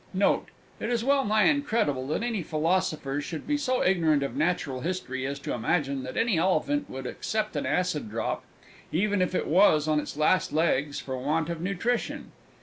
Note. It is well nigh incredible that any Philosopher should be so ignorant of Natural History as to imagine that any Elephant would accept an acid drop, even if it was on its last legs for want of nutrition.